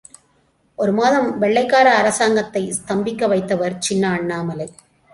ஒரு மாதம் வெள்ளைக்கார அரசாங்கத்தை ஸ்தம்பிக்க வைத்தவர் சின்ன அண்ணாமலை.